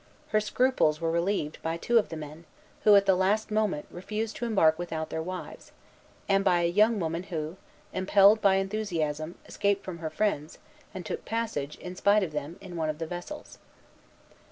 Her scruples were relieved by two of the men, who, at the last moment, refused to embark without their wives, and by a young woman, who, impelled by enthusiasm, escaped from her friends, and took passage, in spite of them, in one of the vessels.